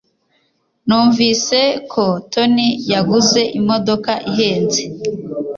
Numvise ko Tony yaguze imodoka ihenze.